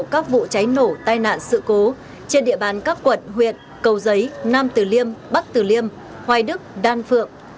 các vụ cháy nổ tai nạn sự cố trên địa bàn các quận huyện cầu giấy nam tử liêm bắc tử liêm hoài đức đan phượng